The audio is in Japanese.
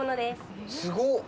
すごっ。